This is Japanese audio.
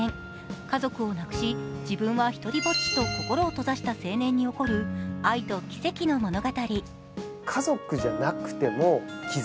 家族をなくし、自分はひとりぼっちと心を閉ざした青年に起こる、愛と奇跡の物語。